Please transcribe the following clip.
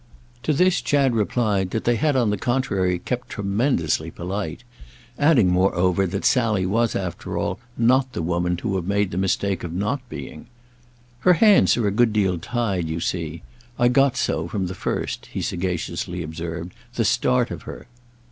To this Chad replied that they had on the contrary kept tremendously polite; adding moreover that Sally was after all not the woman to have made the mistake of not being. "Her hands are a good deal tied, you see. I got so, from the first," he sagaciously observed, "the start of her."